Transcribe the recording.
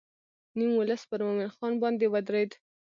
نیم ولس پر مومن خان باندې ودرېد.